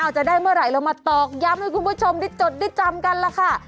จะได้เมื่อไหร่เรามาตอกย้ำให้คุณผู้ชมได้จดได้จำกันล่ะค่ะ